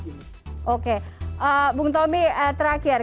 bung tommy terakhir